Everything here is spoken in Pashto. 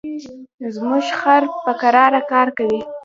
زموږ خر په کراره کار کوي.